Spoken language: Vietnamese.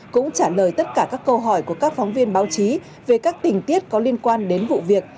cũng trả lời tất cả các câu hỏi của các phóng viên báo chí về các tình tiết có liên quan đến vụ việc